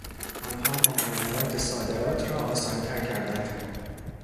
آنها مقررات صادرات را آسانتر کردند.